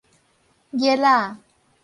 蠍仔